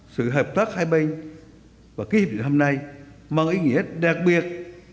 sự hợp tác hai bên và ký hiệp định hôm nay mang ý nghĩa đặc biệt